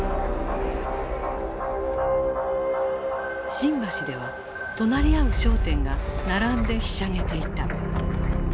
新橋では隣り合う商店が並んでひしゃげていた。